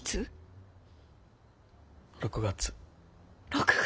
６月。